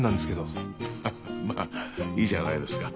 ハハまあいいじゃないですか。